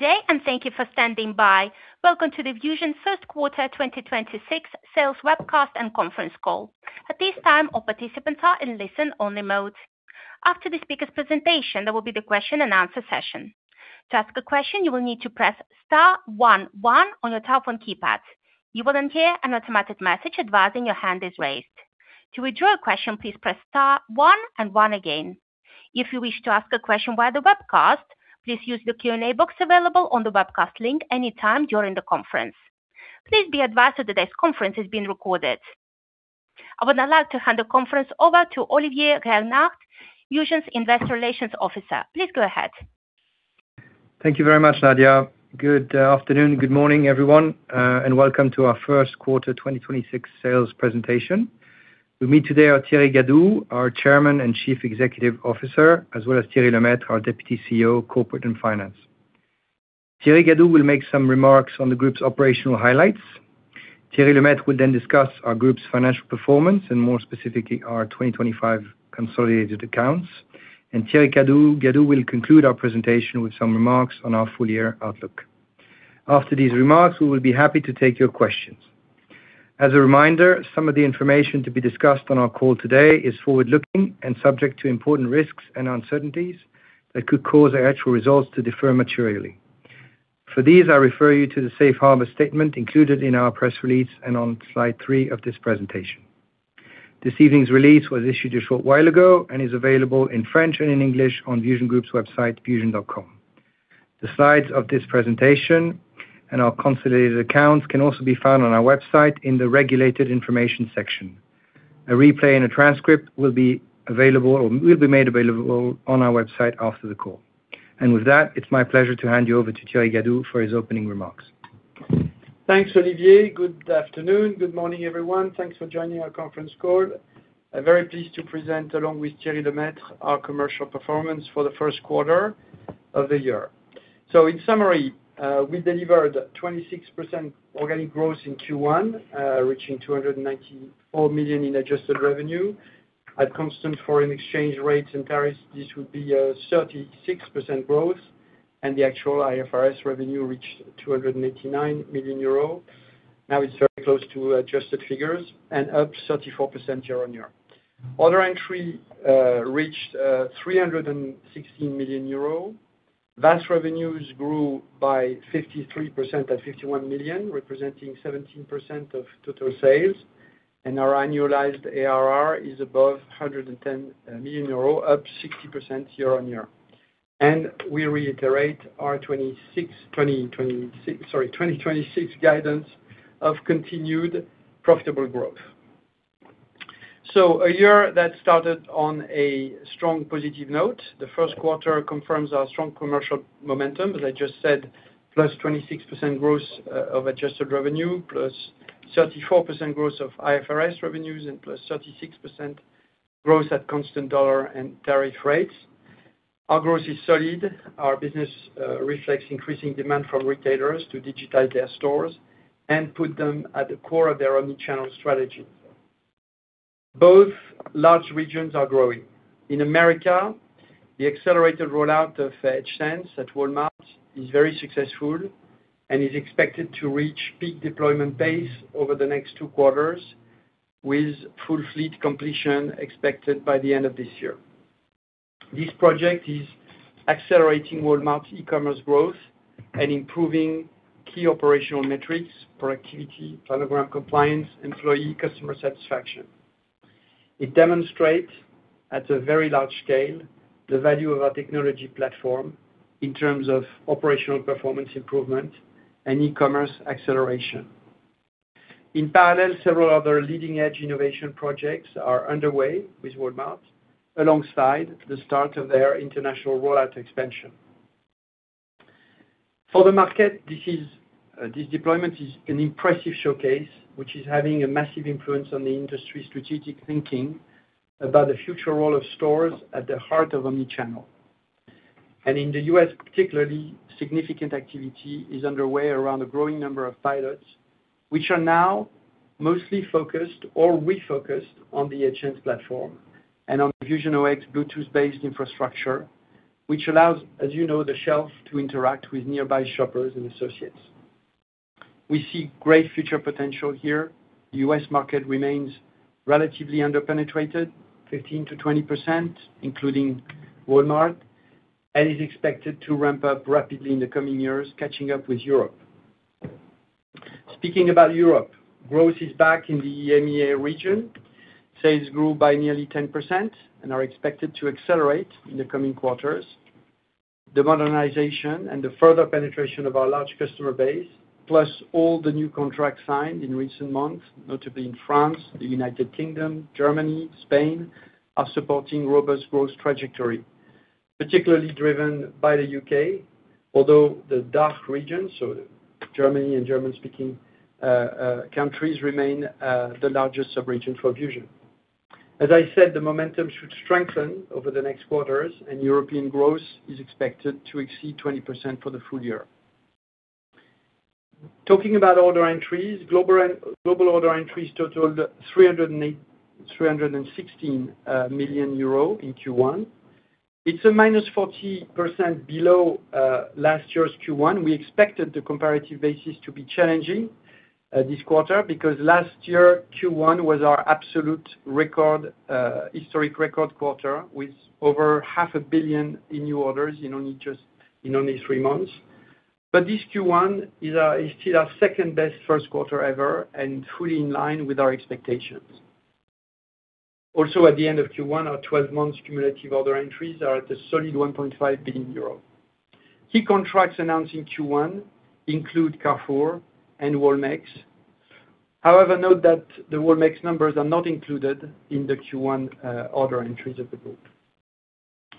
Good day, and thank you for standing by. Welcome to the Vusion first quarter 2026 sales webcast and conference call. At this time, all participants are in listen-only mode. After the speaker's presentation, there will be the question-and-answer session. To ask a question, you will need to press star one one on your telephone keypad. You will then hear an automatic message advising your hand is raised. To withdraw your question, please press star one and one again. If you wish to ask a question via the webcast, please use the Q&A box available on the webcast link any time during the conference. Please be advised that today's conference is being recorded. I would now like to hand the conference over to Olivier Gernandt, Vusion's Investor Relations Officer. Please go ahead. Thank you very much, Nadia. Good afternoon. Good morning, everyone, and welcome to our first quarter 2026 sales presentation. With me today are Thierry Gadou, our Chairman and Chief Executive Officer, as well as Thierry Lemaitre, our Deputy CEO of Corporate and Finance. Thierry Gadou will make some remarks on the group's operational highlights. Thierry Lemaitre will then discuss our group's financial performance and more specifically, our 2025 consolidated accounts. Thierry Gadou will conclude our presentation with some remarks on our full-year outlook. After these remarks, we will be happy to take your questions. As a reminder, some of the information to be discussed on our call today is forward-looking and subject to important risks and uncertainties that could cause our actual results to differ materially. For these, I refer you to the safe harbor statement included in our press release and on slide three of this presentation. This evening's release was issued a short while ago and is available in French and in English on VusionGroup's website, vusion.com. The slides of this presentation and our consolidated accounts can also be found on our website in the Regulated Information section. A replay and a transcript will be made available on our website after the call. With that, it's my pleasure to hand you over to Thierry Gadou for his opening remarks. Thanks, Olivier. Good afternoon. Good morning, everyone. Thanks for joining our conference call. I'm very pleased to present, along with Thierry Lemaitre, our commercial performance for the first quarter of the year. In summary, we delivered 26% organic growth in Q1, reaching 294 million in adjusted revenue. At constant foreign exchange rates and tariffs, this would be a 36% growth, and the actual IFRS revenue reached 289 million euro. Now it's very close to adjusted figures and up 34% year-on-year. Order entry reached 316 million euro. VAS revenues grew by 53% at 51 million, representing 17% of total sales, and our annualized ARR is above 110 million euro, up 60% year-on-year. We reiterate our 2026 guidance of continued profitable growth. A year that started on a strong positive note. The first quarter confirms our strong commercial momentum. As I just said, plus 26% growth of adjusted revenue, plus 34% growth of IFRS revenues, and plus 36% growth at constant dollar and tariff rates. Our growth is solid. Our business reflects increasing demand from retailers to digitize their stores and put them at the core of their omni-channel strategy. Both large regions are growing. In America, the accelerated rollout of EdgeSense at Walmart is very successful and is expected to reach peak deployment pace over the next two quarters, with full fleet completion expected by the end of this year. This project is accelerating Walmart's e-commerce growth and improving key operational metrics, productivity, planogram compliance, employee, customer satisfaction. It demonstrates, at a very large scale, the value of our technology platform in terms of operational performance improvement and e-commerce acceleration. In parallel, several other leading-edge innovation projects are underway with Walmart alongside the start of their international rollout expansion. For the market, this deployment is an impressive showcase, which is having a massive influence on the industry's strategic thinking about the future role of stores at the heart of omni-channel. In the U.S. particularly, significant activity is underway around a growing number of pilots, which are now mostly focused or refocused on the EdgeSense platform and on VusionOX Bluetooth-based infrastructure, which allows the shelf to interact with nearby shoppers and associates. We see great future potential here. The U.S. market remains relatively underpenetrated, 15%-20%, including Walmart, and is expected to ramp up rapidly in the coming years, catching up with Europe. Speaking about Europe, growth is back in the EMEA region. Sales grew by nearly 10% and are expected to accelerate in the coming quarters. The modernization and the further penetration of our large customer base, plus all the new contracts signed in recent months, notably in France, the United Kingdom, Germany, Spain, are supporting robust growth trajectory, particularly driven by the U.K., although the DACH region, so Germany and German-speaking countries remain the largest sub-region for Vusion. As I said, the momentum should strengthen over the next quarters, and European growth is expected to exceed 20% for the full year. Talking about order entries, global order entries totaled 316 million euro in Q1. It's -40% below last year's Q1. We expected the comparative basis to be challenging this quarter because last year, Q1 was our absolute historic record quarter, with over half a billion EUR in new orders in only three months. This Q1 is still our second-best first quarter ever and fully in line with our expectations. At the end of Q1, our 12 months cumulative order entries are at a solid 1.5 billion euro. Key contracts announced in Q1 include Carrefour and Walmex. However, note that the Walmex numbers are not included in the Q1 order entries of the group.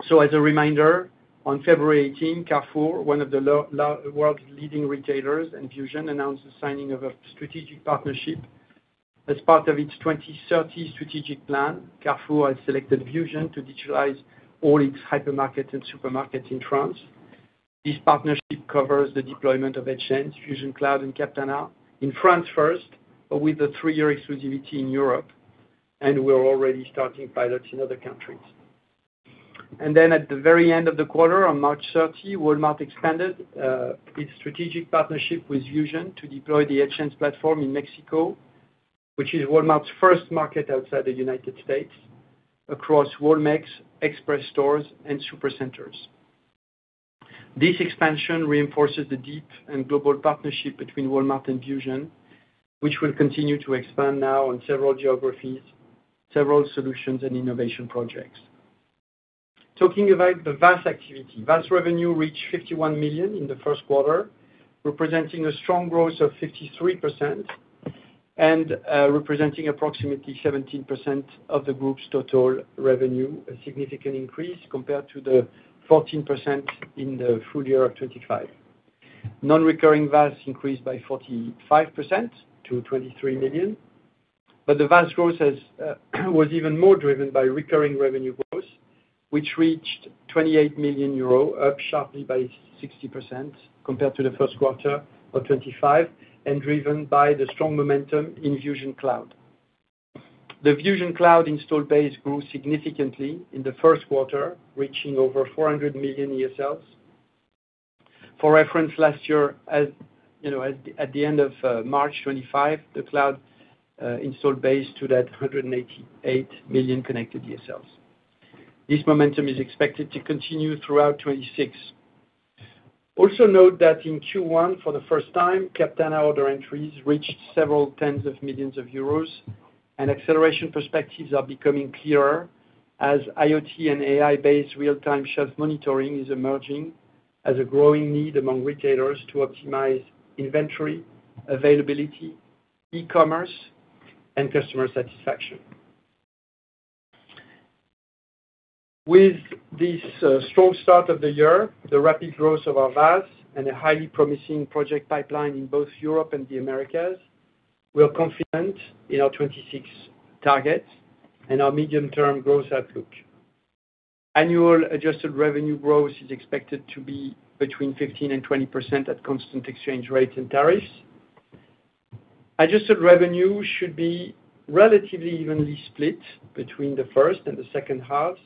As a reminder, on February 18, Carrefour, one of the world's leading retailers, and Vusion announced the signing of a strategic partnership. As part of its 2030 strategic plan, Carrefour has selected Vusion to digitalize all its hypermarkets and supermarkets in France. This partnership covers the deployment of EdgeSense, VusionCloud and Captana. In France first, but with a three-year exclusivity in Europe, and we're already starting pilots in other countries. Then at the very end of the quarter, on March 30, Walmart expanded its strategic partnership with Vusion to deploy the EdgeSense platform in Mexico, which is Walmart's first market outside the United States, across Walmex express stores and supercenters. This expansion reinforces the deep and global partnership between Walmart and Vusion, which will continue to expand now on several geographies, several solutions, and innovation projects. Talking about the VAS activity. VAS revenue reached 51 million in the first quarter, representing a strong growth of 53% and representing approximately 17% of the group's total revenue, a significant increase compared to the 14% in the full year of 2025. Non-recurring VAS increased by 45% to 23 million, but the VAS growth was even more driven by recurring revenue growth, which reached 28 million euros, up sharply by 60% compared to the first quarter of 2025, and driven by the strong momentum in VusionCloud. The VusionCloud installed base grew significantly in the first quarter, reaching over 400 million ESLs. For reference, last year, at the end of March 2025, the cloud installed base stood at 188 million connected ESLs. This momentum is expected to continue throughout 2026. Also note that in Q1, for the first time, Captana order entries reached several tens of millions of EUR, and acceleration perspectives are becoming clearer as IoT and AI-based real-time shelf monitoring is emerging as a growing need among retailers to optimize inventory, availability, e-commerce, and customer satisfaction. With this strong start of the year, the rapid growth of our VAS, and a highly promising project pipeline in both Europe and the Americas, we are confident in our 2026 targets and our medium-term growth outlook. Annual adjusted revenue growth is expected to be between 15% and 20% at constant exchange rates and tariffs. Adjusted revenue should be relatively evenly split between the first and the second halves,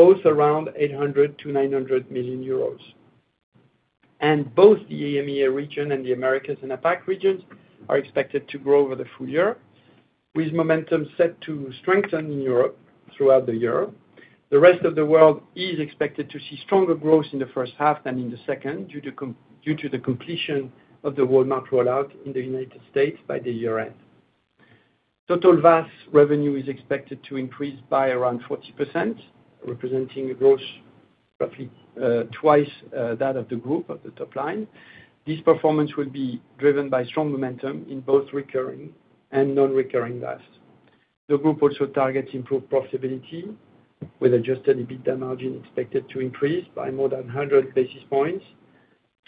both around 800 million-900 million euros. Both the EMEA region and the Americas and APAC regions are expected to grow over the full year, with momentum set to strengthen in Europe throughout the year. The rest of the world is expected to see stronger growth in the first half than in the second, due to the completion of the Walmart rollout in the United States by the year-end. Total VAS revenue is expected to increase by around 40%, representing a growth roughly twice that of the group's top line. This performance will be driven by strong momentum in both recurring and non-recurring VAS. The group also targets improved profitability, with adjusted EBITDA margin expected to increase by more than 100 basis points.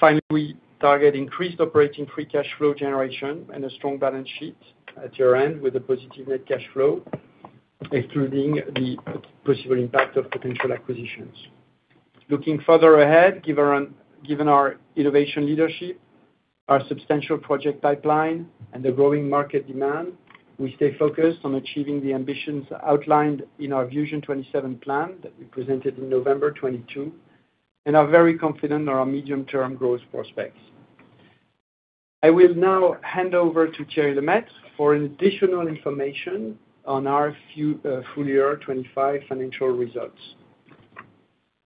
Finally, we target increased operating free cash flow generation and a strong balance sheet at year-end with a positive net cash position, excluding the possible impact of potential acquisitions. Looking further ahead, given our innovation leadership, our substantial project pipeline, and the growing market demand, we stay focused on achieving the ambitions outlined in our Vusion '27 plan that we presented in November 2022 and are very confident on our medium-term growth prospects. I will now hand over to Thierry Lemaitre for additional information on our full year 2025 financial results.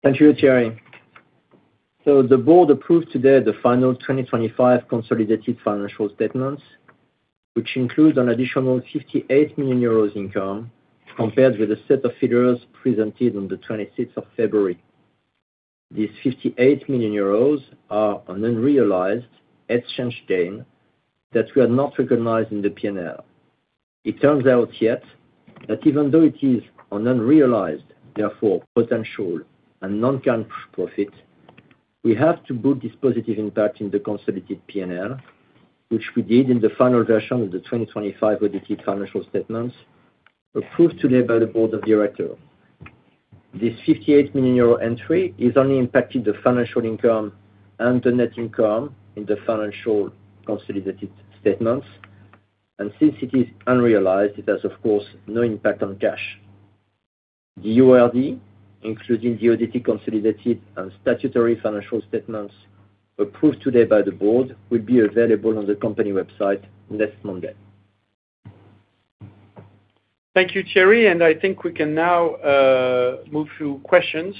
Thank you, Thierry. The board approved today the final 2025 consolidated financial statements, which includes an additional €58 million income compared with a set of figures presented on the 26th of February. This €58 million are an unrealized exchange gain that we had not recognized in the P&L. It turns out yet that even though it is an unrealized, therefore potential and non-cash profit, we have to book this positive impact in the consolidated P&L, which we did in the final version of the 2025 audited financial statements approved today by the board of directors. This €58 million entry is only impacting the financial income and the net income in the financial consolidated statements. Since it is unrealized, it has, of course, no impact on cash. The URD, including the audited, consolidated and statutory financial statements approved today by the Board, will be available on the company website next Monday. Thank you, Thierry. I think we can now move to questions.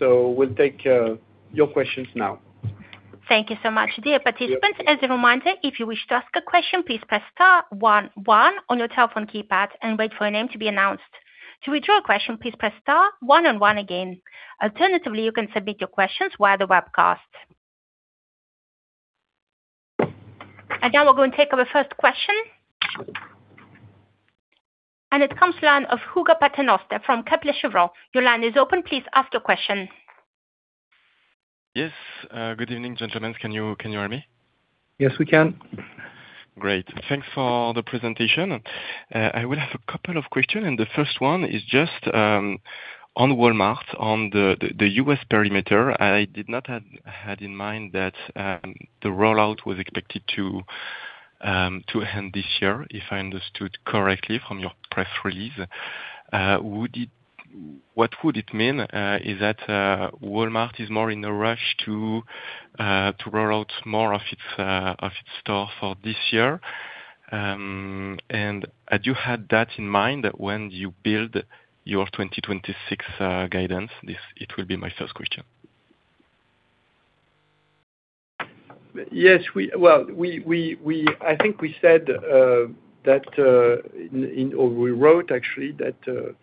We'll take your questions now. Thank you so much. Dear participants, as a reminder, if you wish to ask a question, please press star one one on your telephone keypad and wait for your name to be announced. To withdraw your question, please press star one and one again. Alternatively, you can submit your questions via the webcast. Again, we're going to take our first question. It comes from the line of Hugo Paternoster from Kepler Cheuvreux. Your line is open. Please ask your question. Yes. Good evening, gentlemen. Can you hear me? Yes, we can. Great. Thanks for the presentation. I have a couple of questions, and the first one is just on Walmart, on the U.S. perimeter. I did not have in mind that the rollout was expected to end this year, if I understood correctly from your press release. What would it mean if Walmart is more in a rush to roll out more of its stores for this year? Did you have that in mind when you built your 2026 guidance? That is my first question. Yes. Well, I think we said or we wrote, actually, that it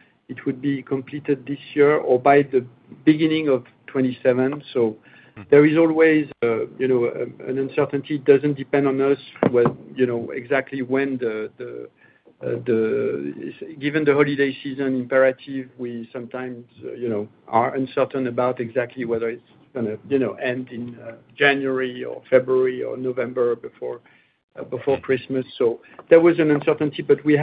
would be completed this year or by the beginning of 2027. There is always an uncertainty. It doesn't depend on us exactly when. Given the holiday season imperative, we sometimes are uncertain about exactly whether it's going to end in January or February or November before Christmas. There was an uncertainty, but we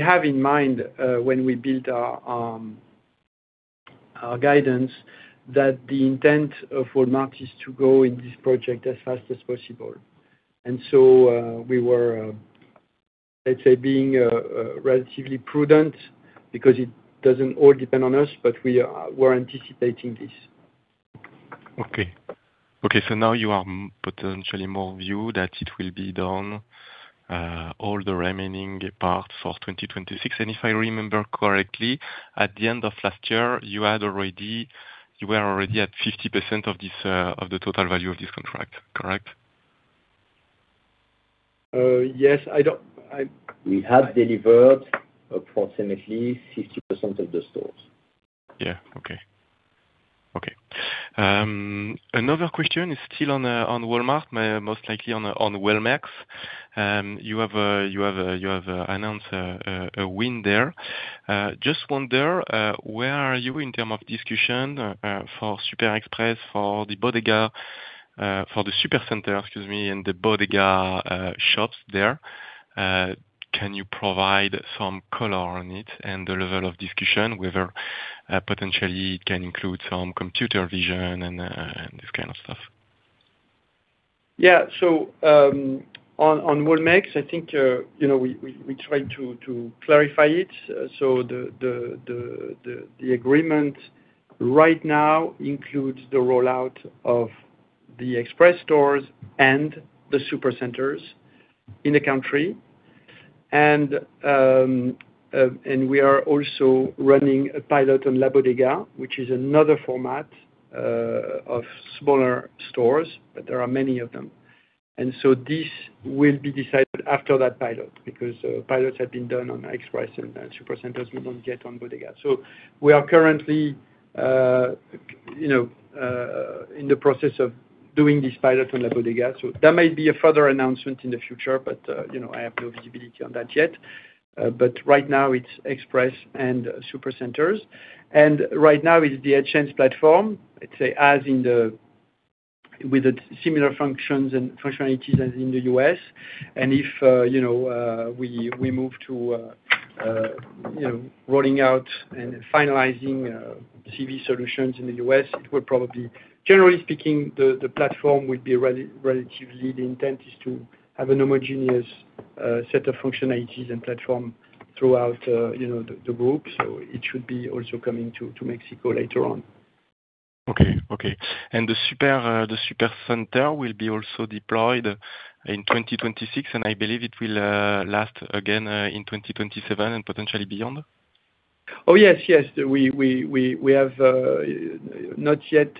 have in mind, when we build our guidance, that the intent of Walmart is to go in this project as fast as possible. We were, let's say, being relatively prudent because it doesn't all depend on us, but we were anticipating this. Okay. Now you are potentially more convinced that it will be done, all the remaining parts, for 2026. If I remember correctly, at the end of last year, you were already at 50% of the total value of this contract, correct? Yes. I don't. We have delivered approximately 60% of the stores. Yeah. Okay. Another question is still on Walmart, most likely on Walmex. You have announced a win there. Just wonder, where are you in terms of discussion for Super Express, for the Bodega, for the Supercenter, excuse me, and the Bodega shops there? Can you provide some color on it and the level of discussion? Whether potentially it can include some computer vision and this kind of stuff. On Walmex, I think we try to clarify it. The agreement right now includes the rollout of the Express stores and the Supercenters in the country. We are also running a pilot on La Bodega, which is another format of smaller stores, but there are many of them. This will be decided after that pilot, because pilots have been done on Express and Supercenters. We haven't done on Bodega. We are currently in the process of doing this pilot on La Bodega. That might be a further announcement in the future, but I have no visibility on that yet. Right now it's Express and Supercenters. Right now it's the EdgeSense platform, let's say with the similar functions and functionalities as in the U.S. If we move to rolling out and finalizing CV solutions in the U.S., it will probably, generally speaking, the platform will be relatively, the intent is to have a homogeneous set of functionalities and platform throughout the group. It should be also coming to Mexico later on. Okay. The Supercenter will be also deployed in 2026, and I believe it will launch again in 2027 and potentially beyond? Oh, yes. We have not yet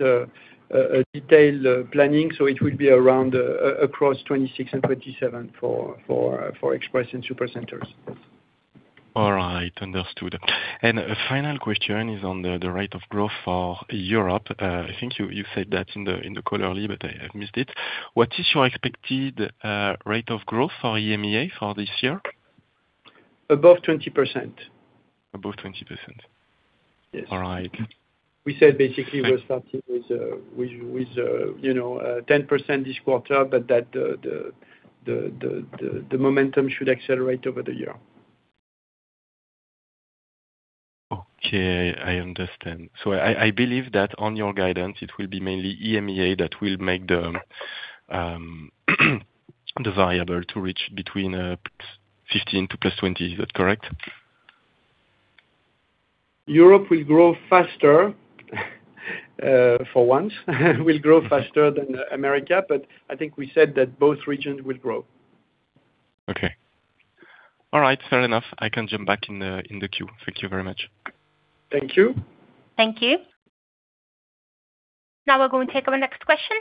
a detailed planning, so it will be around across 2026 and 2027 for Express and Supercenters. All right. Understood. A final question is on the rate of growth for Europe. I think you said that in the quarterly, but I have missed it. What is your expected rate of growth for EMEA for this year? Above 20%. Above 20%. Yes. All right. We said basically we're starting with 10% this quarter, but that the momentum should accelerate over the year. Okay, I understand. I believe that on your guidance, it will be mainly EMEA that will make the variance to reach between 15% to +20%. Is that correct? Europe will grow faster for once. Will grow faster than America, but I think we said that both regions will grow. Okay. All right. Fair enough. I can jump back in the queue. Thank you very much. Thank you. Thank you. Now we're going to take our next question.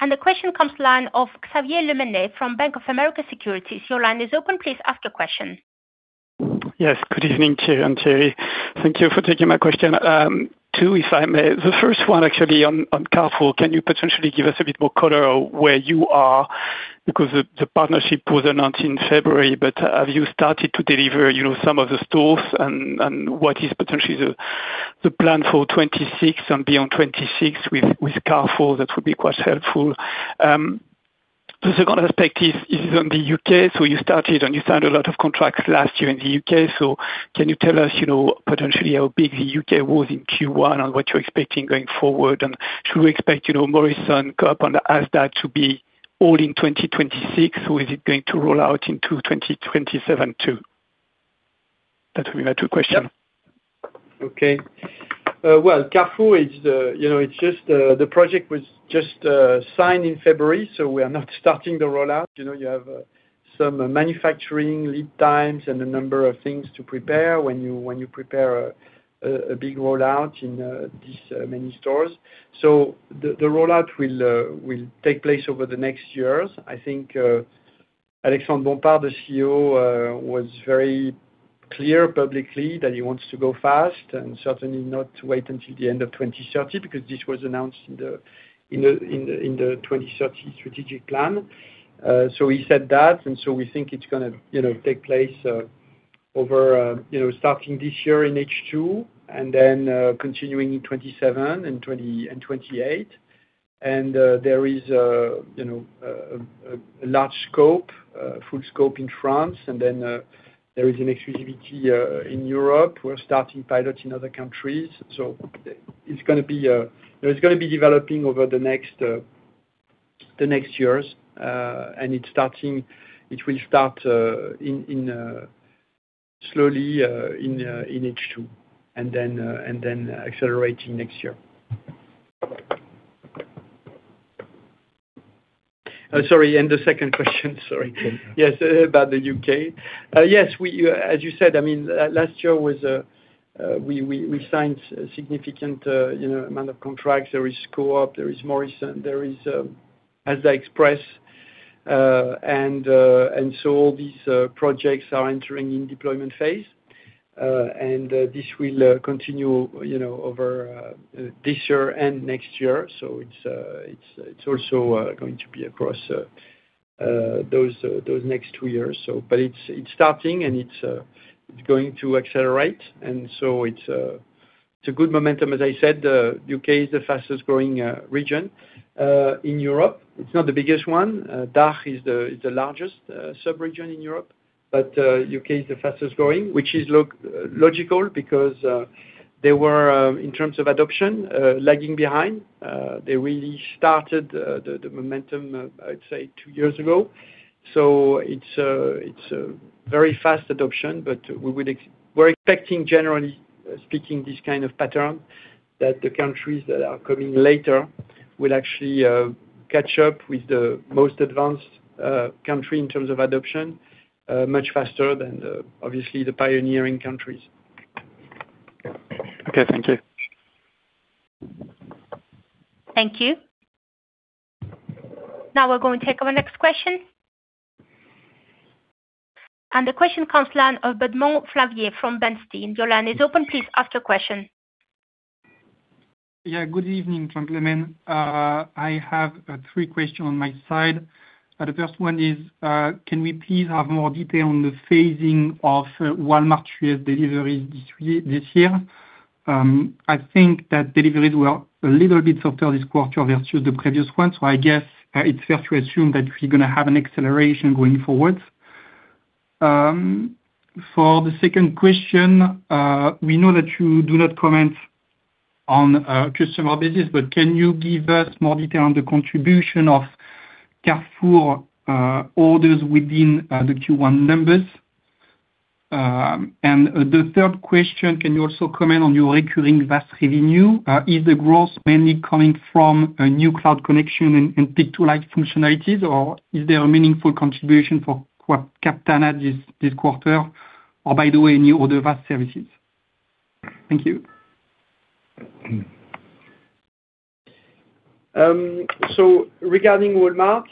The question comes from the line of Xavier Le Mené from Bank of America Securities. Your line is open. Please ask your question. Yes. Good evening, Thierry and Thierry. Thank you for taking my question. 2, if I may. The first one actually on Carrefour. Can you potentially give us a bit more color where you are? Because the partnership was announced in February, but have you started to deliver some of the stores and, what is potentially the plan for 2026 and beyond 2026 with Carrefour? That would be quite helpful. The second aspect is, on the U.K. You started, and you signed a lot of contracts last year in the U.K., so can you tell us, potentially how big the U.K. was in Q1 and what you're expecting going forward, and should we expect Morrisons, Co-op, and Asda to be all in 2026 or is it going to roll out into 2027 too? That will be my two question. Well, Carrefour, the project was just signed in February, so we are not starting the rollout. You have some manufacturing lead times and a number of things to prepare when you prepare a big rollout in this many stores. The rollout will take place over the next years. I think Alexandre Bompard, the CEO, was very clear publicly that he wants to go fast and certainly not wait until the end of 2030 because this was announced in the 2030 strategic plan. He said that, and so we think it's going to take place starting this year in H2 and then continuing in 2027 and 2028. There is a large scope, a full scope in France. Then, there is an exclusivity in Europe. We're starting pilot in other countries. It's going to be developing over the next years. It will start slowly in H2 and then accelerating next year. Sorry, the second question, sorry. Yes, about the U.K. Yes, as you said, last year we signed a significant amount of contracts. There is Co-op, there is Morrisons, there is Asda Express. All these projects are entering in deployment phase. This will continue over this year and next year. It's also going to be across those next two years. It's starting, and it's going to accelerate. It's a good momentum. As I said, the U.K. is the fastest growing region, in Europe. It's not the biggest one. DACH is the largest sub-region in Europe. U.K. is the fastest growing, which is logical because they were, in terms of adoption, lagging behind. They really started the momentum, I'd say two years ago. It's a very fast adoption, but we're expecting generally speaking, this kind of pattern that the countries that are coming later will actually catch up with the most advanced country in terms of adoption, much faster than obviously the pioneering countries. Okay. Thank you. Thank you. Now we're going to take our next question. The question comes from the line of Florent Couvreur from Bernstein. Your line is open. Please ask your question. Yeah. Good evening, gentlemen. I have three question on my side. The first one is, can we please have more detail on the phasing of Walmart's delivery this year? I think that deliveries were a little bit softer this quarter versus the previous one. I guess it's fair to assume that we're going to have an acceleration going forward. For the second question, we know that you do not comment on customer business, but can you give us more detail on the contribution of Carrefour orders within the Q1 numbers? The third question, can you also comment on your recurring VAS revenue? Is the growth mainly coming from a new cloud connection and Payto-like functionalities, or is there a meaningful contribution for Captana this quarter, or by the way, new order of VAS services? Thank you. Regarding Walmart,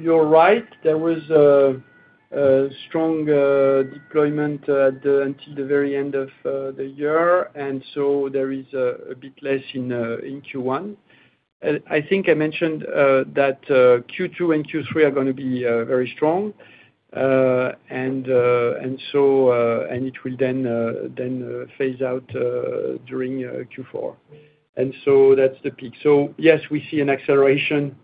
you're right. There was a strong deployment until the very end of the year. There is a bit less in Q1. I think I mentioned that Q2 and Q3 are going to be very strong, and it will then phase out during Q4. That's the peak. Yes, we see an acceleration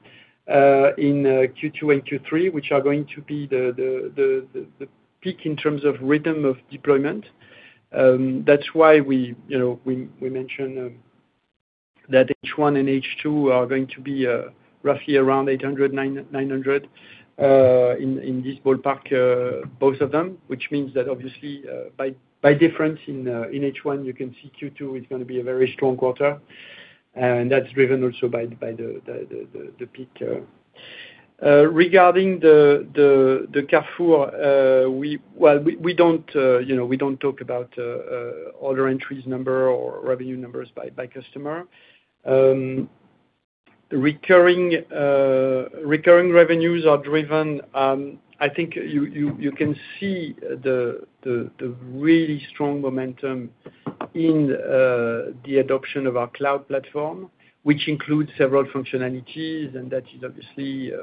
in Q2 and Q3, which are going to be the peak in terms of rhythm of deployment. That's why we mentioned that H1 and H2 are going to be roughly around 800, 900 in this ballpark, both of them. Which means that obviously, by difference in H1 you can see Q2 is going to be a very strong quarter, and that's driven also by the peak. Regarding Carrefour, we don't talk about order entries number or revenue numbers by customer. Recurring revenues are driven, I think you can see the really strong momentum in the adoption of our cloud platform. Which includes several functionalities, and that is obviously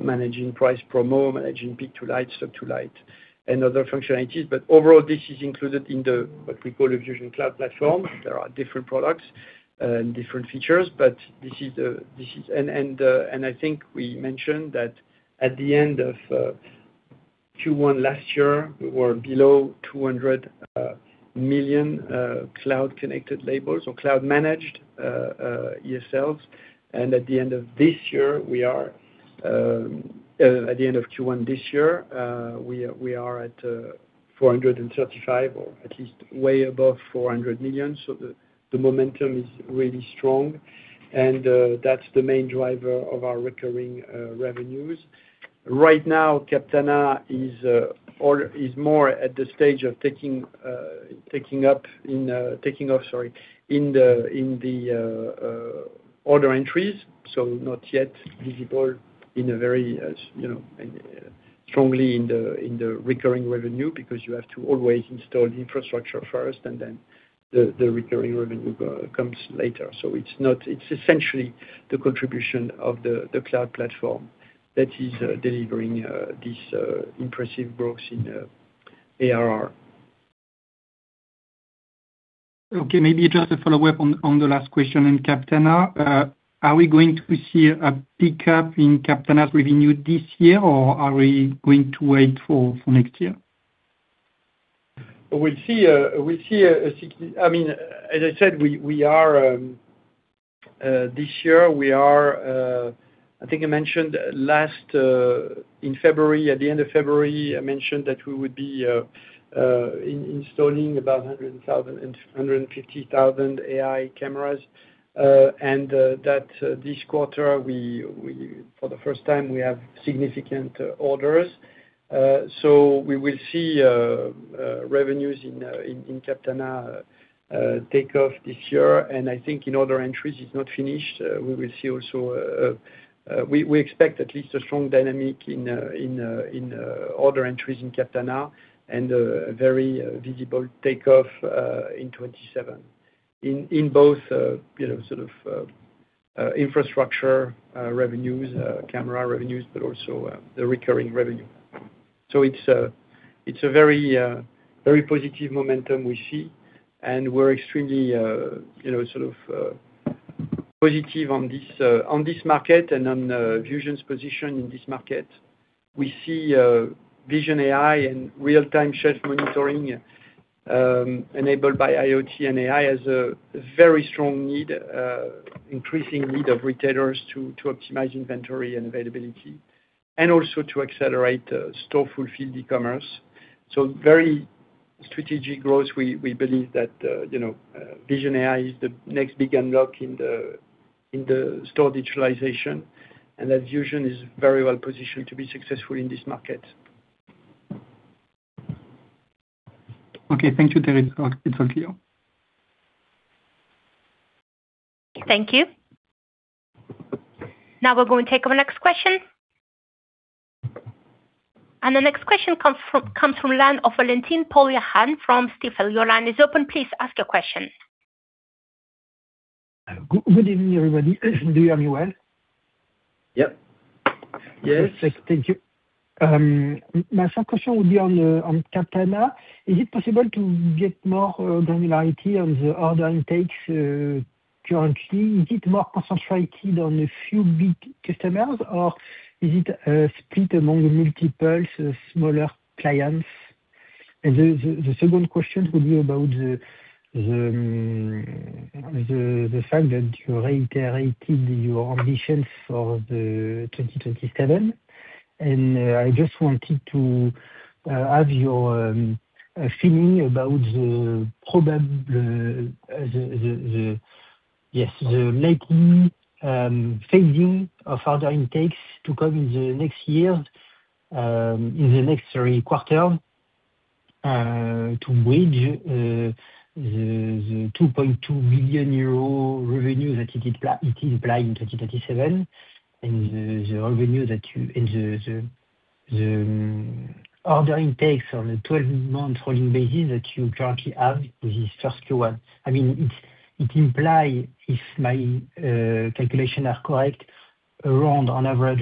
managing price promo, managing Pick to Light, Stock to Light, and other functionalities. Overall, this is included in what we call a VusionCloud. There are different products and different features. I think we mentioned that at the end of Q1 last year, we were below 200 million cloud connected labels or cloud managed ESLs. At the end of Q1 this year, we are at 435 or at least way above 400 million, so the momentum is really strong. That's the main driver of our recurring revenues. Right now, Captana is more at the stage of taking off in the order entries, so not yet visible strongly in the recurring revenue because you have to always install the infrastructure first and then the recurring revenue comes later. It's essentially the contribution of the cloud platform that is delivering these impressive growths in ARR. Okay, maybe just a follow-up on the last question on Captana. Are we going to see a pickup in Captana's revenue this year or are we going to wait for next year? As I said, this year, I think I mentioned at the end of February that we would be installing about 150,000 AI cameras. That this quarter, for the first time, we have significant orders. We will see revenues in Captana take off this year, and I think in order entries it's not finished. We expect at least a strong dynamic in order entries in Captana and a very visible takeoff in 2027 in both sort of infrastructure revenues, camera revenues, but also the recurring revenue. It's a very positive momentum we see, and we're extremely positive on this market and on Vusion's position in this market. We see vision AI and real-time shelf monitoring enabled by IoT and AI as a very strong need, increasing need of retailers to optimize inventory and availability, also to accelerate store fulfilled e-commerce. Very strategic growth. We believe that Vusion AI is the next big unlock in the store digitalization, and that Vusion is very well positioned to be successful in this market. Okay. Thank you, Thierry. It's all clear. Thank you. Now we're going to take our next question. The next question comes from the line of Valentin Hoguet from Stifel. Your line is open. Please ask your question. Good evening, everybody. Do you hear me well? Yep. Yes. Thank you. My first question will be on Captana. Is it possible to get more granularity on the order intakes currently? Is it more concentrated on a few big customers or is it split among multiple smaller clients? The second question will be about the fact that you reiterated your ambitions for the 2027. I just wanted to have your feeling about the likely phasing of order intakes to come in the next year, in the next three quarters, to reach the 2.2 billion euro revenue that you imply in 2027, and the revenue that you The order intakes on the 12-month rolling basis that you currently have with these first two ones. It implies, if my calculations are correct, around on average,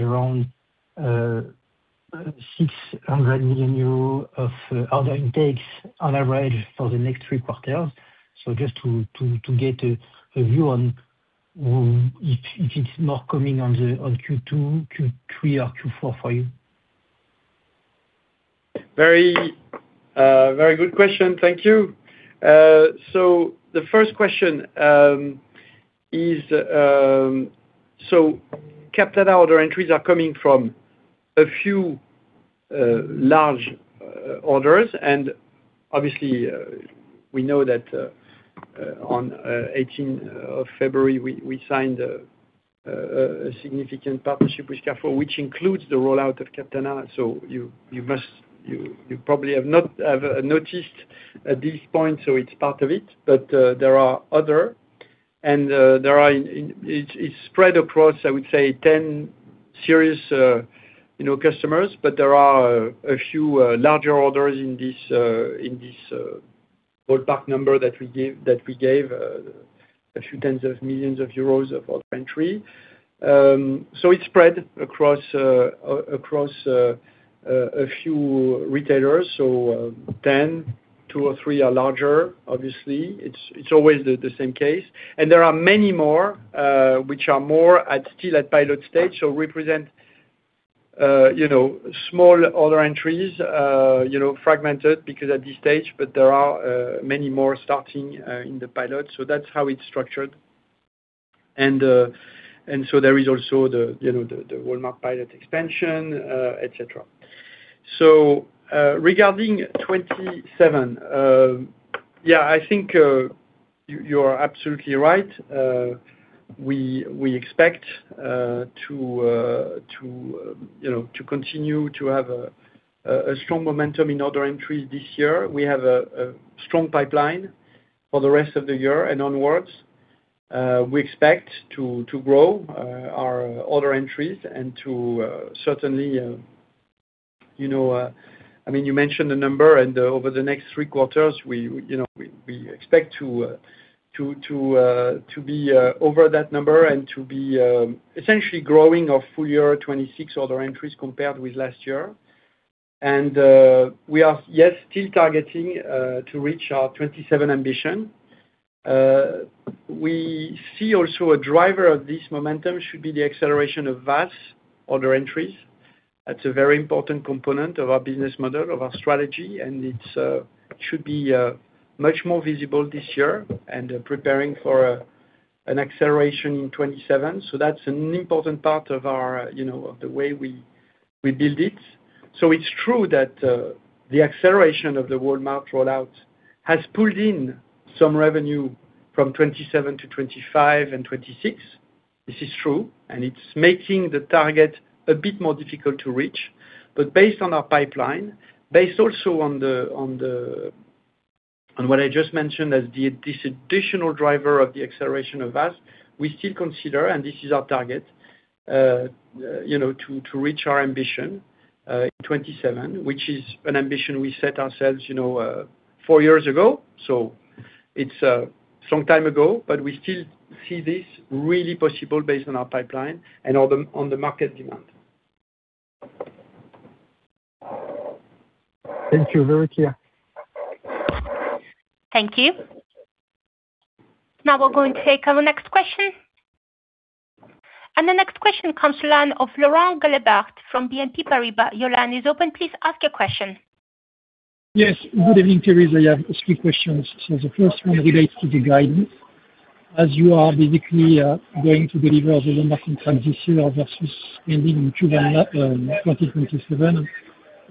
600 million euros of order intakes on average for the next 3 quarters. Just to get a view on if it's more coming on the Q2, Q3, or Q4 for you? Very good question. Thank you. The first question is, Captana order entries are coming from a few large orders, and obviously we know that on February 18 we signed a significant partnership with Carrefour, which includes the rollout of Captana. You probably have not noticed at this point, it's part of it, but there are others and it's spread across, I would say 10 serious customers, but there are a few larger orders in this ballpark number that we gave a few tens of millions EUR of order entry. It's spread across a few retailers. 10, two or three are larger. Obviously, it's always the same case. There are many more, which are still at pilot stage, represent small order entries, fragmented because at this stage, but there are many more starting in the pilot. That's how it's structured. There is also the Walmart pilot expansion, et cetera. Regarding 27, yeah, I think, you are absolutely right. We expect to continue to have a strong momentum in order entries this year. We have a strong pipeline for the rest of the year and onwards. We expect to grow our order entries and to certainly. You mentioned the number, and over the next three quarters we expect to be over that number and to be essentially growing our full year 2026 order entries compared with last year. We are yes, still targeting to reach our 2027 ambition. We see also a driver of this momentum should be the acceleration of VAS order entries. That's a very important component of our business model, of our strategy. It should be much more visible this year and preparing for an acceleration in 2027. That's an important part of the way we build it. It's true that the acceleration of the Walmart rollout has pulled in some revenue from 2027 to 2025 and 2026. This is true, and it's making the target a bit more difficult to reach. Based on our pipeline, based also on what I just mentioned as this additional driver of the acceleration of VAS, we still consider, and this is our target, to reach our ambition, in 2027, which is an ambition we set ourselves four years ago. It's some time ago, but we still see this really possible based on our pipeline and on the market demand. Thank you. Very clear. Thank you. Now we're going to take our next question. The next question comes from the line of Laurent Galabert from BNP Paribas. Your line is open. Please ask your question. Yes. Good evening, Theresa. Yeah, just three questions. The first one relates to the guidance. As you are basically going to deliver the landmark contract this year versus ending in Q1 2027.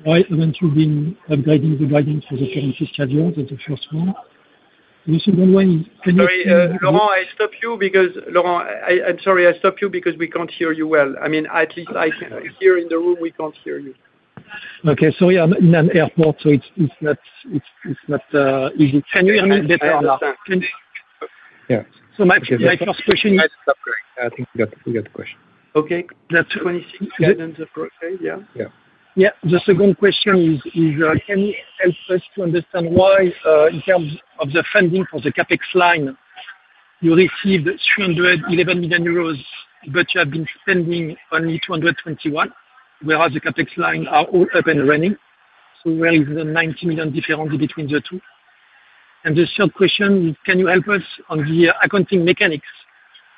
Why haven't you been upgrading the guidance for the current schedule? That's the first one. The second one is- Sorry, Laurent, I'm sorry I stop you because we can't hear you well. I mean, at least here in the room, we can't hear you. Okay. Sorry, I'm in an airport, so it's not easy. Can you hear me better now? I understand. Yeah. My first question is. I think we got the question. Okay. The EUR 26 billion in the process, yeah? Yeah. Yeah. The second question is, can you help us to understand why, in terms of the funding for the CapEx line, you received 311 million euros, but you have been spending only 221 million, whereas the CapEx line are all up and running. Where is the 90 million difference between the two? The third question, can you help us on the accounting mechanics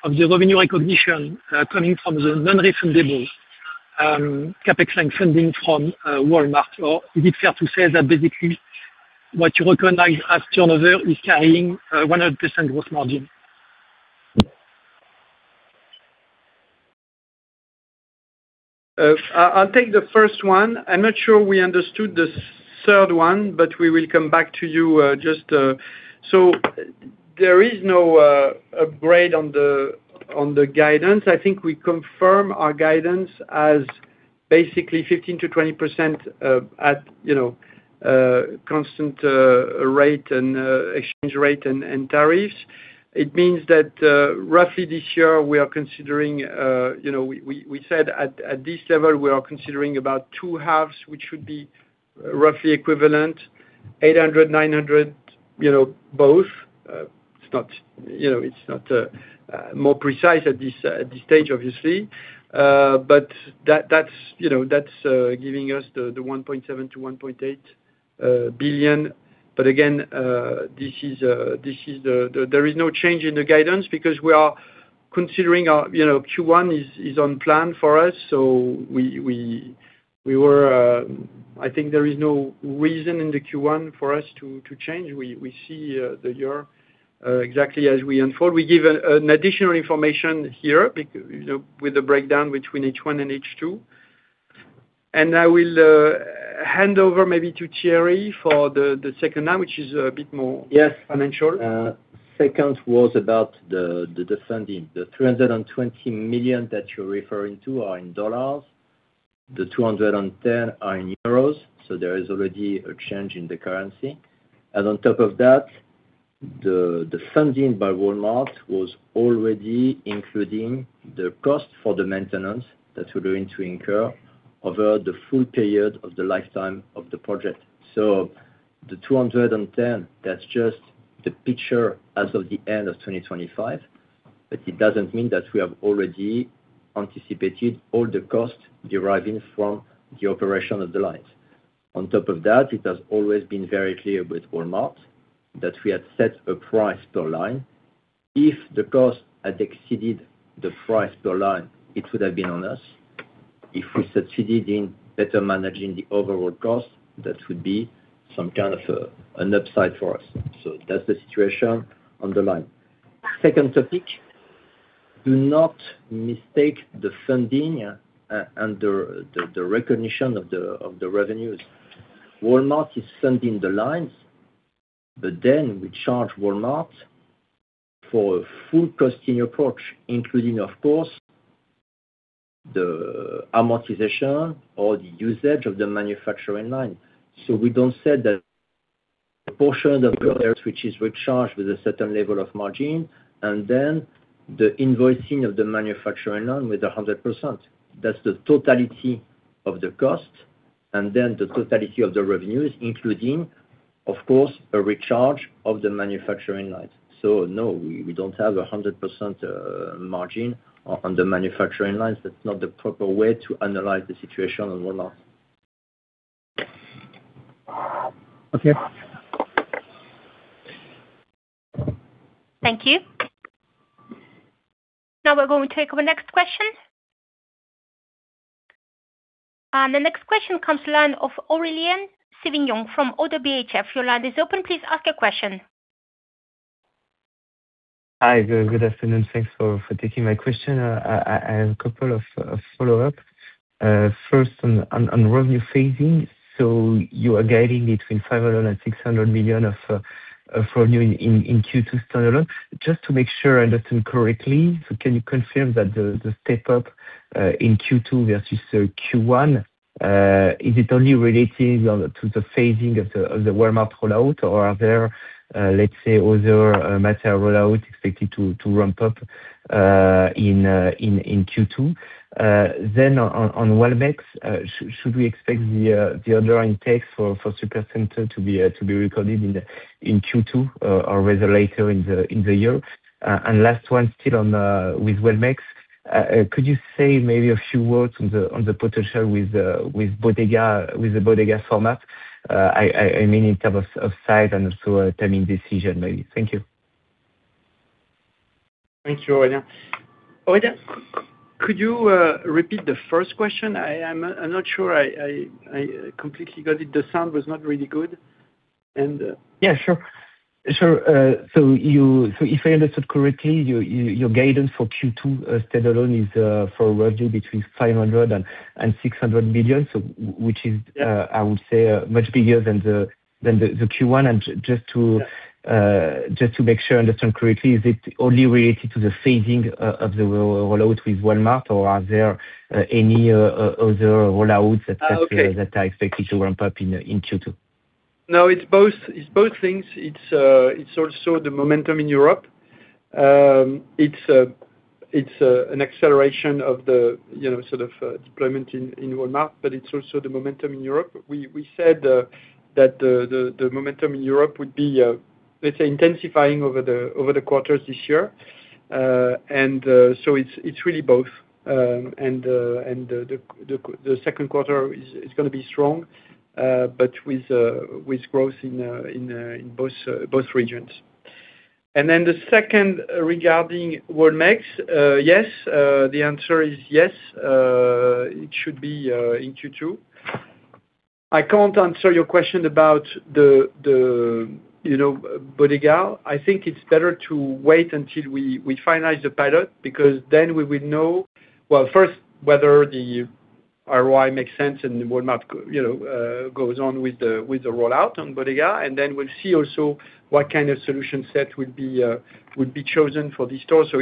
of the revenue recognition, coming from the non-refundable CapEx line funding from Walmart? Or is it fair to say that basically what you recognize as turnover is carrying 100% gross margin? I'll take the first one. I'm not sure we understood the third one, but we will come back to you. There is no upgrade on the guidance. I think we confirm our guidance as basically 15%-20% at constant rate and exchange rate and tariffs. It means that roughly this year we are considering, we said at this level, we are considering about two halves, which should be roughly equivalent, 800 million, 900 million both. It's not more precise at this stage, obviously. That's giving us the 1.7 billion-1.8 billion. Again, there is no change in the guidance because we are considering Q1 is on plan for us. I think there is no reason in the Q1 for us to change. We see the year exactly as we unfold. We give an additional information here, with the breakdown between H1 and H2. I will hand over maybe to Thierry for the second now, which is a bit more. Yes financial. Second was about the funding. The $320 million that you're referring to are in dollars. The 210 million are in euros, so there is already a change in the currency. And on top of that, the funding by Walmart was already including the cost for the maintenance that we're going to incur over the full period of the lifetime of the project. The 210, that's just the picture as of the end of 2025, but it doesn't mean that we have already anticipated all the costs deriving from the operation of the lines. On top of that, it has always been very clear with Walmart that we had set a price per line. If the cost had exceeded the price per line, it would have been on us. If we succeeded in better managing the overall cost, that would be some kind of an upside for us. That's the situation on the line. Second topic, do not mistake the funding, and the recognition of the revenues. Walmart is funding the lines, but then we charge Walmart for a full costing approach, including, of course, the amortization or the usage of the manufacturing line. We don't set the portion of the [inaudible] which is recharged with a certain level of margin, and then the invoicing of the manufacturing line with 100%. That's the totality of the cost, and then the totality of the revenues, including, of course, a recharge of the manufacturing line. No, we don't have 100% margin on the manufacturing lines. That's not the proper way to analyze the situation on Walmart. Okay. Thank you. Now we're going to take our next question. The next question comes from the line of Aurélien Sivignon from ODDO BHF. Your line is open. Please ask your question. Hi, good afternoon. Thanks for taking my question. I have a couple of follow-up. First on revenue phasing. You are guiding between 500 million and 600 million of revenue in Q2 standalone. Just to make sure I understand correctly, can you confirm that the step up, in Q2 versus Q1, is it only related to the phasing of the Walmart rollout, or are there, let's say, other major rollout expected to ramp up in Q2? On Walmex, should we expect the order intake for Supercenter to be recorded in Q2 or rather later in the year? Last one, still with Walmex, could you say maybe a few words on the potential with the Bodega format? I mean in terms of size and also a timing decision maybe. Thank you. Thank you, Aurélien. Aurélien, could you repeat the first question? I'm not sure I completely got it. The sound was not really good. Yeah, sure. If I understood correctly, your guidance for Q2 standalone is for revenue between 500 million and 600 million, which is- Yeah I would say, much bigger than the Q1. Yeah Just to make sure I understand correctly, is it only related to the phasing of the rollout with Walmart, or are there any other rollouts that? Oh, okay.... are expected to ramp up in Q2? No, it's both things. It's also the momentum in Europe. It's an acceleration of the sort of deployment in Walmart, but it's also the momentum in Europe. We said that the momentum in Europe would be, let's say, intensifying over the quarters this year. It's really both, and the second quarter is going to be strong, but with growth in both regions. The second regarding Walmex, the answer is yes. It should be in Q2. I can't answer your question about the Bodega. I think it's better to wait until we finalize the pilot, because then we will know, well, first, whether the ROI makes sense and Walmart goes on with the rollout on Bodega, and then we'll see also what kind of solution set would be chosen for this store. So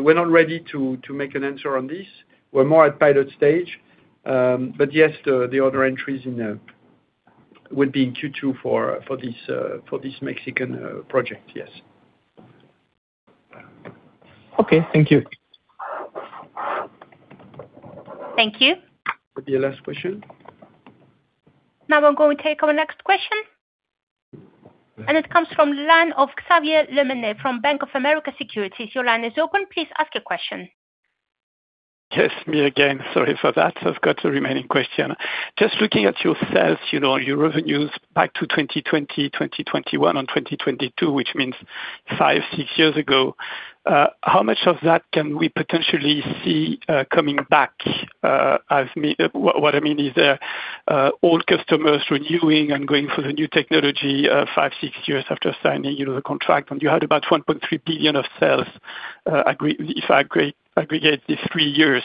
we're not ready to make an answer on this. We're more at pilot stage. Yes, the order entries will be in Q2 for this Mexican project, yes. Okay. Thank you. Thank you. Your last question. Now we're going to take our next question, and it comes from the line of Xavier Le Mené from Bank of America Securities. Your line is open. Please ask your question. Yes, me again. Sorry for that. I've got the remaining question. Just looking at your sales, your revenues back to 2020, 2021, and 2022, which means 5, 6 years ago, how much of that can we potentially see coming back? What I mean is old customers renewing and going for the new technology 5, 6 years after signing the contract, and you had about 1.3 billion of sales if I aggregate these three years.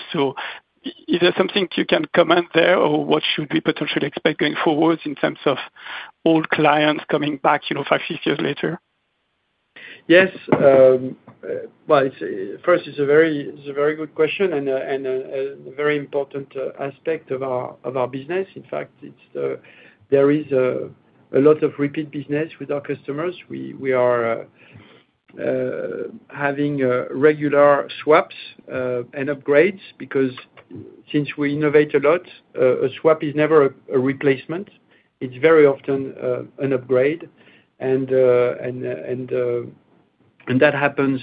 Is there something you can comment there or what should we potentially expect going forward in terms of old clients coming back 5, 6 years later? Yes. Well, first, it's a very good question and a very important aspect of our business. In fact, there is a lot of repeat business with our customers. We are having regular swaps and upgrades because since we innovate a lot, a swap is never a replacement. It's very often an upgrade, and that happens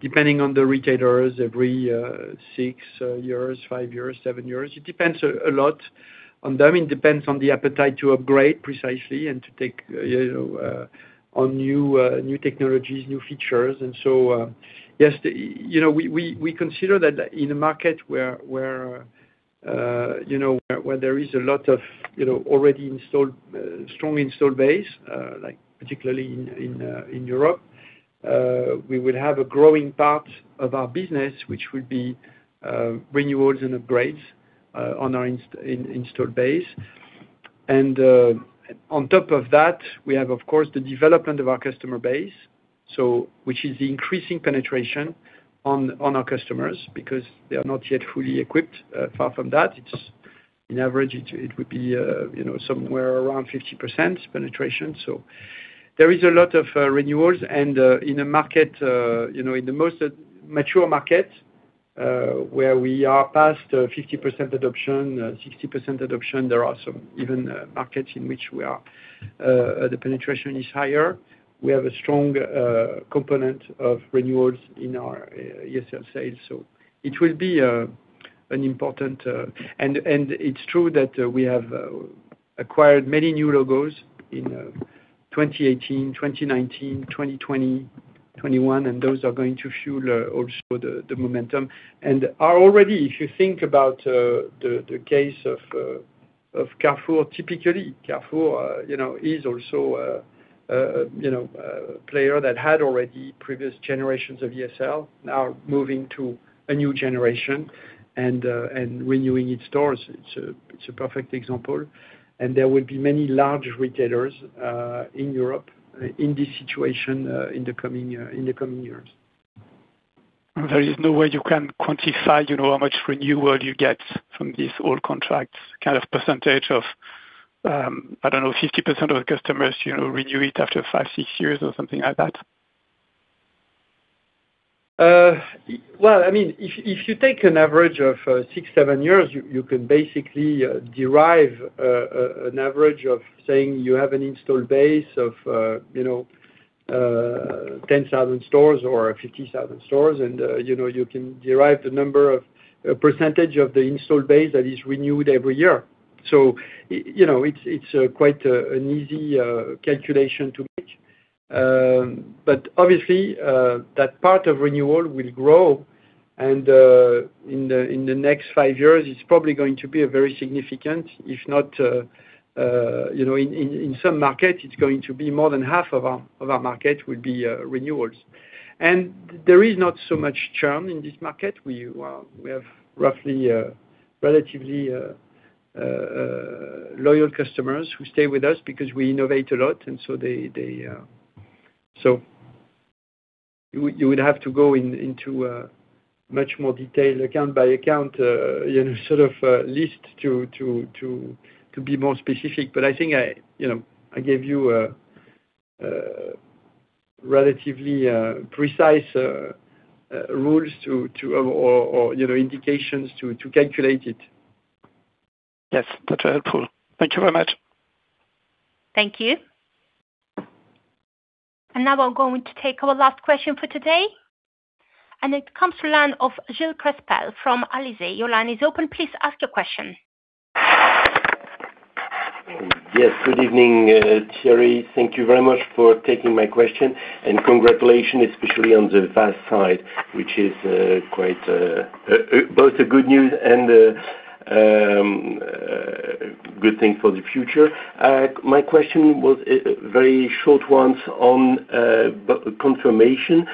depending on the retailers every six years, five years, seven years. It depends a lot on them. It depends on the appetite to upgrade precisely and to take on new technologies, new features. Yes, we consider that in a market where there is a lot of already strong installed base, like particularly in Europe, we will have a growing part of our business, which will be renewals and upgrades on our installed base. On top of that, we have, of course, the development of our customer base, which is increasing penetration on our customers because they are not yet fully equipped. Far from that, in average, it would be somewhere around 50% penetration. There is a lot of renewals. In the most mature market, where we are past 50% adoption, 60% adoption, there are some even markets in which the penetration is higher. We have a strong component of renewals in our ESL sales, so it will be an important. It's true that we have acquired many new logos in 2018, 2019, 2020, 2021, and those are going to fuel also the momentum and are already, if you think about the case of Carrefour, typically Carrefour is also a player that had already previous generations of ESL now moving to a new generation and renewing its stores. It's a perfect example. There will be many large retailers in Europe in this situation in the coming years. There is no way you can quantify how much renewal you get from these old contracts, kind of percentage of, I don't know, 50% of the customers renew it after five, six years or something like that? Well, if you take an average of 6-7 years, you can basically derive an average of saying you have an installed base of 10,000 stores or 50,000 stores, and you can derive the number or percentage of the installed base that is renewed every year. It's quite an easy calculation to make. Obviously, that part of renewal will grow, and in the next 5 years it's probably going to be a very significant, if not in some markets, it's going to be more than half of our market will be renewals. There is not so much churn in this market. We have roughly relatively loyal customers who stay with us because we innovate a lot. You would have to go into a much more detailed account by account sort of list to be more specific. I think I gave you a relatively precise rules or indications to calculate it. Yes. That's helpful. Thank you very much. Thank you. Now we're going to take our last question for today, and it comes to the line of Gilles Crespel from CIC Market Solutions. Your line is open. Please ask your question. Yes. Good evening, Thierry. Thank you very much for taking my question, and congratulations, especially on the VAS side, which is both a good news and good thing for the future. My question was a very short one on confirmation.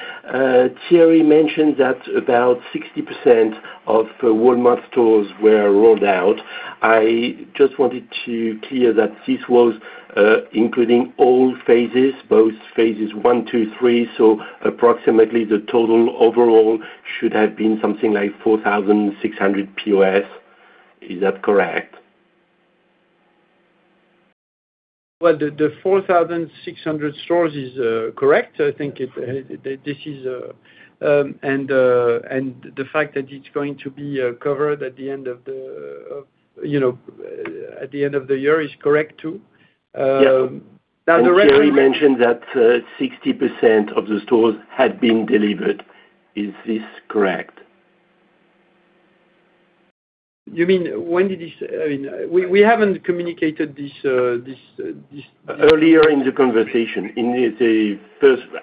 Thierry mentioned that about 60% of Walmart stores were rolled out. I just wanted to clarify that this was including all phases, both phases one, two, three, so approximately the total overall should have been something like 4,600 POS. Is that correct? Well, the 4,600 stores is correct. The fact that it's going to be covered at the end of the year is correct, too. Yeah. Now, the rest. Thierry mentioned that 60% of the stores had been delivered. Is this correct? We haven't communicated this. Earlier in the conversation,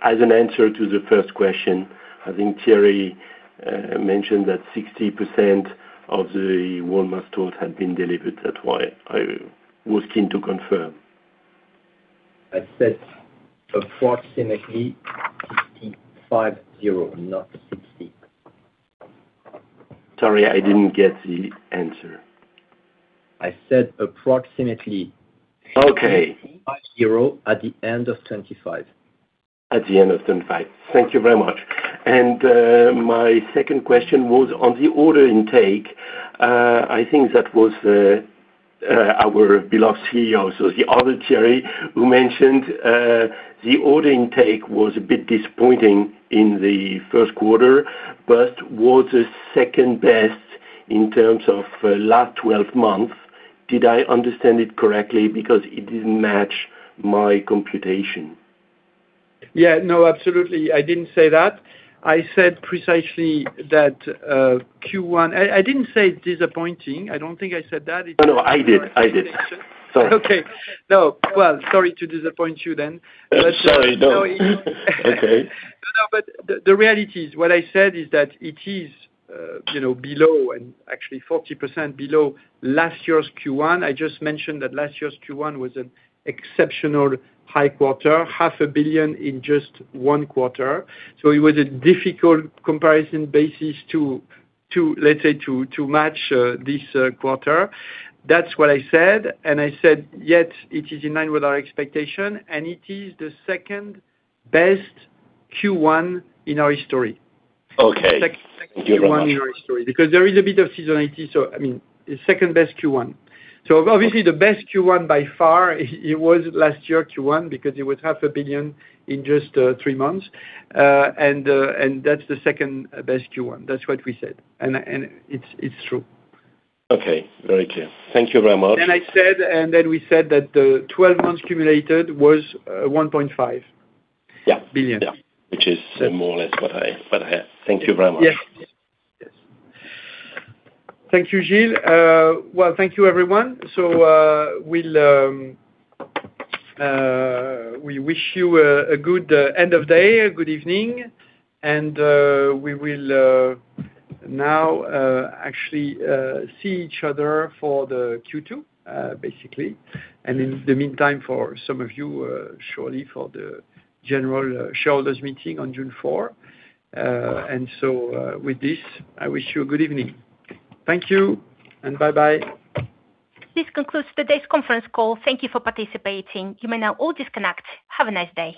as an answer to the first question, I think Thierry mentioned that 60% of the Walmart stores had been delivered. That's why I was keen to confirm. I said approximately 65/0, not 60. Sorry, I didn't get the answer. I said approximately. Okay 65/0 at the end of 2025. At the end of 2025. Thank you very much. My second question was on the order intake. I think that was our beloved CEO, so the other Thierry, who mentioned the order intake was a bit disappointing in the first quarter, but was the second best in terms of last 12 months. Did I understand it correctly? Because it didn't match my computation. Yeah. No, absolutely, I didn't say that. I said precisely that Q1. I didn't say disappointing. I don't think I said that. No, I did. Okay. No. Well, sorry to disappoint you then. Sorry, no. Okay. The reality is, what I said is that it is below, and actually 40% below last year's Q1. I just mentioned that last year's Q1 was an exceptional high quarter, EUR half a billion in just one quarter. It was a difficult comparison basis to, let's say, to match this quarter. That's what I said. I said, yet it is in line with our expectation, and it is the second-best Q1 in our history. Okay. Thank you very much. Second-best Q1 in our history, because there is a bit of seasonality. The second-best Q1. Obviously the best Q1 by far, it was last year Q1, because it was half a billion in just three months. That's the second-best Q1. That's what we said. It's true. Okay. Very clear. Thank you very much. We said that the 12 months cumulated was 1.5 billion. Yeah. Which is more or less what I had. Thank you very much. Yes. Thank you, Gilles. Well, thank you, everyone. We wish you a good end of day, a good evening, and we will now actually see each other for the Q2, basically. In the meantime, for some of you, surely, for the general shareholders meeting on June 4. With this, I wish you a good evening. Thank you, and bye-bye. This concludes today's conference call. Thank you for participating. You may now all disconnect. Have a nice day.